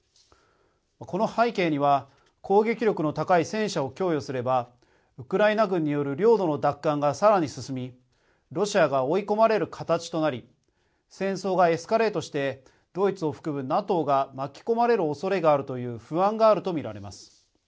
この背景には攻撃力の高い戦車を供与すればウクライナ軍による領土の奪還がさらに進みロシアが追い込まれる形となり戦争がエスカレートしてドイツを含むＮＡＴＯが巻き込まれるおそれがあるという不安があると見られます。